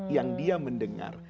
yang dia mendengar